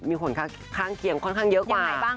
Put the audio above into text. มีผลข้างเคียงค่อนข้างเยอะกว่า